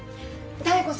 妙子さん